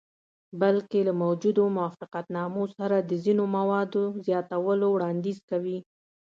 بلکې له موجودو موافقتنامو سره د ځینو موادو زیاتولو وړاندیز کوي.